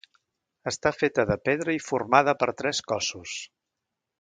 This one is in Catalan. Està feta de pedra i formada per tres cossos.